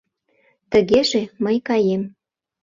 Тыгеже, мый каем.